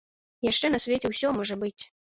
Яшчэ на свеце ўсё можа быць.